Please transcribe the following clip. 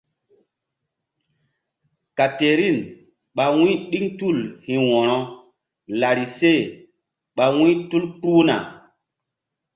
Katerin ɓa wu̧y ɗiŋ tul hi̧ wo̧ro larise ɓa wu̧y tul kpuhna.